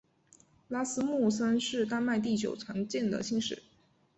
拉斯穆森是丹麦第九常见的姓氏。